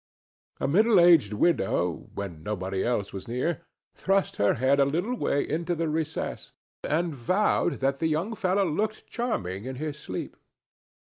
A middle aged widow, when nobody else was near, thrust her head a little way into the recess, and vowed that the young fellow looked charming in his sleep.